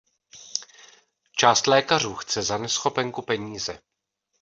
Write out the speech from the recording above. Část lékařů chce za neschopenku peníze.